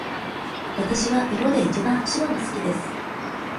わたしは色でいちばん白が好きです。